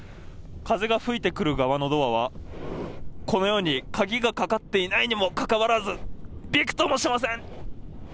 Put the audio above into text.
風が吹いてくる側のドアは、このように鍵がかかっていないにもかかわらず、びくともしません。